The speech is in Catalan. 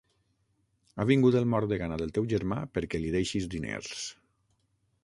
Ha vingut el mort de gana del teu germà, perquè li deixis diners.